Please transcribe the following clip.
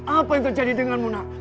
apa yang terjadi denganmu nak